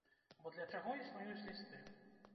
Бо для чаго існуюць лісты?